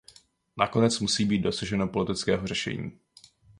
Nakonec musí být dosaženo politického řešení.